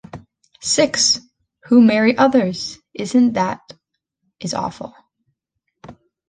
Six! Who marry others! Isn’t that is awful!...